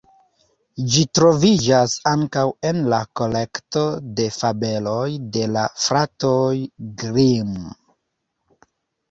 Ĝi troviĝas ankaŭ en la kolekto de fabeloj de la fratoj Grimm.